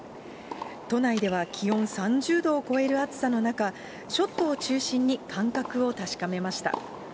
都内では気温３０度を超える暑さの中、ショットを中心に感覚を確かめました。